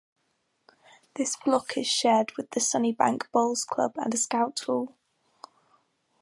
This block is shared with the Sunnybank Bowls Club and a scout hall.